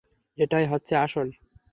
এটাই হচ্ছে আসল।